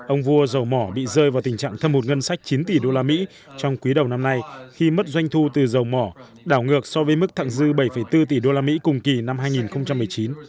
ông vua dầu mỏ bị rơi vào tình trạng thâm hụt ngân sách chín tỷ usd trong quý đầu năm nay khi mất doanh thu từ dầu mỏ đảo ngược so với mức thẳng dư bảy bốn tỷ đô la mỹ cùng kỳ năm hai nghìn một mươi chín